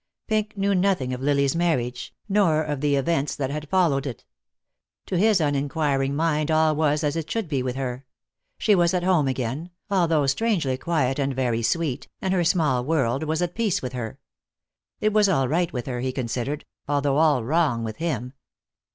Pink knew nothing of Lily's marriage, nor of the events that had followed it. To his uninquiring mind all was as it should be with her; she was at home again, although strangely quiet and very sweet, and her small world was at peace with her. It was all right with her, he considered, although all wrong with him.